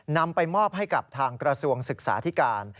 นำไปมอบให้กับทางกระทรวงศึกษาธิการ